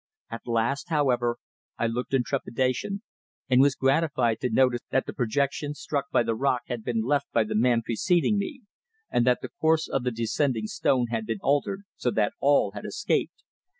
At last, however, I looked in trepidation and was gratified to notice that the projection struck by the rock had been left by the man preceding me, and that the course of the descending stone had been altered so that all had escaped.